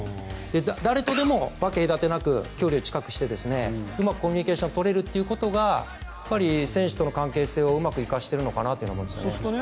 誰とでも分け隔てなく距離を近くしてうまくコミュニケーションを取れるということが選手との関係性をうまく生かしているのかなと思いますね。